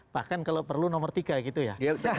bahkan kalau perlu nomor tiga gitu ya